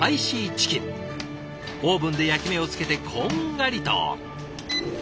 オーブンで焼き目をつけてこんがりと。